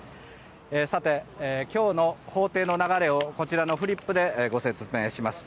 さて、今日の法廷の流れをこちらのフリップでご説明します。